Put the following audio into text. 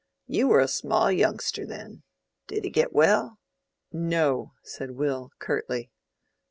You were a small youngster then. Did he get well?" "No," said Will, curtly.